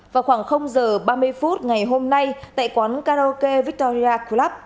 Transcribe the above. vào khoảng giờ ba mươi phút ngày hôm nay tại quán karaoke victoria club